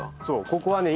ここはね